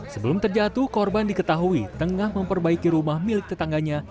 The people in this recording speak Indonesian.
sebelum terjatuh korban diketahui tengah memperbaiki rumah milik tetangganya